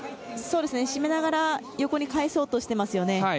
しめながら横に返そうとしています。